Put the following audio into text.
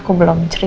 aku nanya sama dia